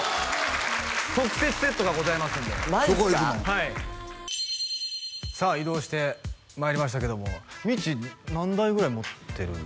特設セットがございますんでそこ行くの？さあ移動してまいりましたけどもみっちー何台ぐらい持ってる？